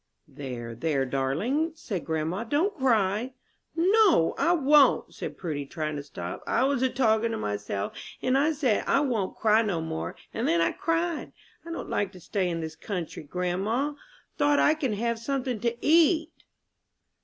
"There, there, darling," said grandma, "don't cry." "No, I won't," said Prudy, trying to stop. "I was a talkin' to myself, and I said, 'I won't cry no more,' and then I cried. I don't like to stay in this country, grandma, 'thout I can have somethin' to eat!"